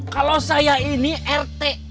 kalau saya ini rt